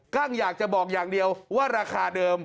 กั้งอยากจะบอกอย่างเดียวว่าราคาเดิม